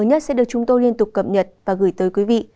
thông tin mới nhất sẽ được chúng tôi liên tục cập nhật và gửi tới quý vị